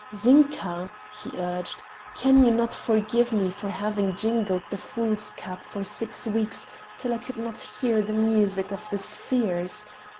"Zinka," he urged, "can you not forgive me for having jingled the fool's cap for six weeks till I could not hear the music of the spheres?